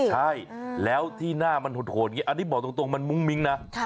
ใช่แล้วที่หน้ามันโหดอย่างนี้อันนี้บอกตรงมันมุ้งมิ้งนะ